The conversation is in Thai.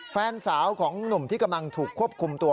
แฟนสาวของหนุ่มที่กำลังถูกควบคุมตัว